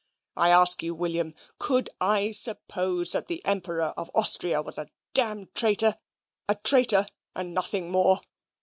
I ask you, William, could I suppose that the Emperor of Austria was a damned traitor a traitor, and nothing more?